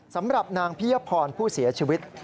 สำหรับนางพิยพรผู้เสียชีวิต